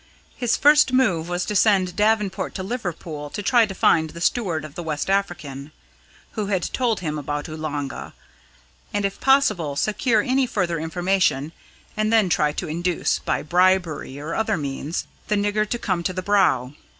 His first move was to send Davenport to Liverpool to try to find the steward of the West African, who had told him about Oolanga, and if possible secure any further information, and then try to induce (by bribery or other means) the nigger to come to the Brow.